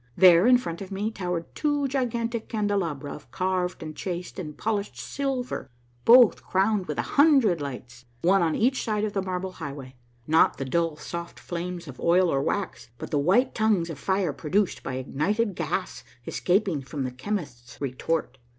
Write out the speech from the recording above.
There in front of me towered two gigantic candelabra of carved and chased and polished sil ver, both crowned with a hundred lights, one on each side of the Marble Highway — not the dull, soft flames of oil or wax, but the white tongues of fire produced by ignited gas escaping from the chemist's retort.